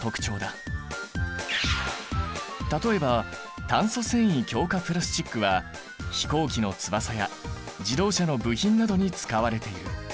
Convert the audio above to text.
例えば炭素繊維強化プラスチックは飛行機の翼や自動車の部品などに使われている。